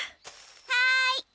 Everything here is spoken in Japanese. はい！